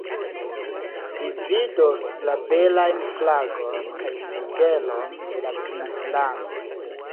Vi vidos la belajn flagon kaj sigelon de la princlando.